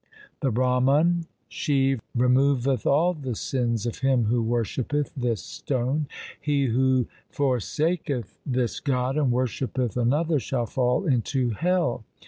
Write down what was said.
The Brahman Shiv removeth all the sins of him who worshippeth this stone. He who forsaketh this god and worshippeth another shall fall into hell.